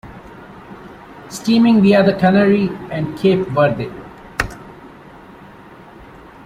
Steaming via the Canary and Cape Verde.